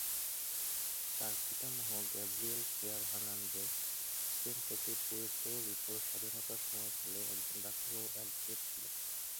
তার পিতামহ Gabriel Fair Hernandez Spain থেকে পুয়ের্তো রিকোর স্বাধীনতার সময়কালে একজন ডাক্তার ও অ্যাডভোকেট ছিলেন।